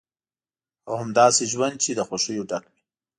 هغه هم داسې ژوند چې له خوښیو ډک وي.